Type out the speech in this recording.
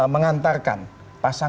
mengantarkan pasangan perubahan